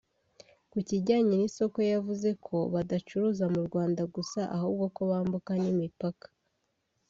Ku kijyanye n’isoko yavuze ko badacuruza mu Rwanda gusa ahubwo ko bambuka n’imipaka